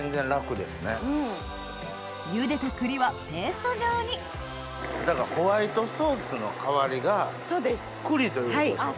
ゆでた栗はペースト状にだからホワイトソースの代わりが栗ということでしょう。